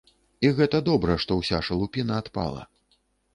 І гэта добра, што ўся шалупіна адпала.